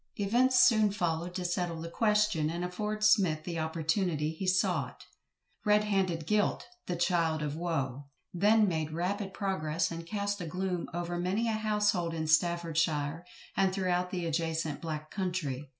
Events soon followed to settle the question, and afford SMITH the opportunity he sought. "Red handed guilt, the child of woe" then made rapid progress, and cast a gloom over many a household in Staffordshire, and throughout the adjacent "black country."